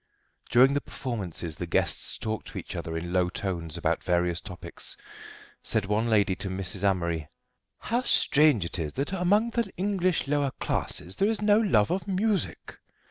During the performances the guests talked to each other in low tones about various topics. Said one lady to Mrs. Amory: "How strange it is that among the English lower classes there is no love of music."